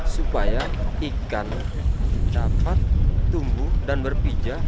supaya ikan dapat tumbuh dan berpijak